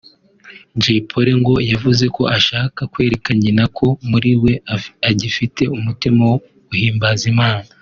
Jay Polly ngo yavuze ko ashaka kwereka nyina ko muri we agifite umutima wo guhimbaza Imana